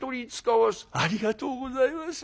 「ありがとうございます。